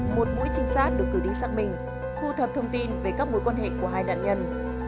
một mũi trinh sát được cử đi xác minh thu thập thông tin về các mối quan hệ của hai nạn nhân